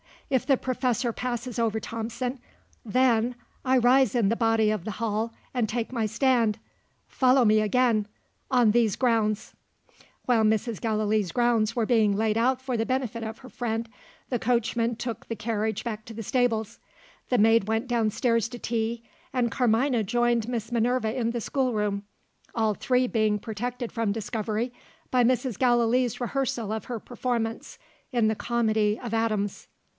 If the Professor passes over Thomson, then, I rise in the body of the Hall, and take my stand follow me again! on these grounds." While Mrs. Gallilee's grounds were being laid out for the benefit of her friend, the coachman took the carriage back to the stables; the maid went downstairs to tea; and Carmina joined Miss Minerva in the schoolroom all three being protected from discovery, by Mrs. Gallilee's rehearsal of her performance in the Comedy of Atoms.